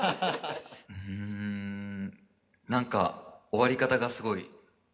うん何か終わり方がすごい好きでした。